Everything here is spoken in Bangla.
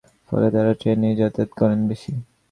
ফলে তাঁরা ট্রেনেই যাতায়াত করেন বেশি।